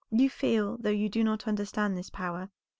You feel, though you do not understand this power.